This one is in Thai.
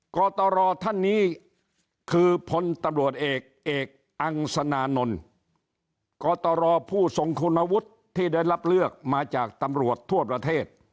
กตรท่านนี้คือพลตำรวจเอกเอกอังสนานนท์กตรผู้ทรงคุณวุฒิที่ได้รับเลือกมาจากตำรวจทั่วประเทศ